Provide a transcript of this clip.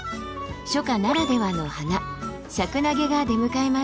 初夏ならではの花シャクナゲが出迎えます。